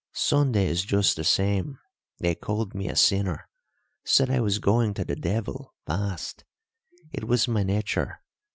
Sundays just the same, They called me a sinner, said I was going to the devil fast. It was my nature.